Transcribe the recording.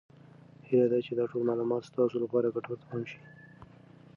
هیله ده چې دا ټول معلومات ستاسو لپاره ګټور تمام شي.